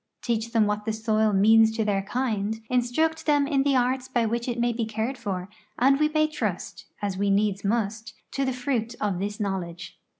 Teach them what the soil means to their kind, instruct them in the arts by which it may be cared for, and we may trust, as we needs must, to the fruit of this knowledge.